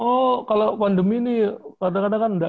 oh kalau pandemi ini kadang kadang kan enggak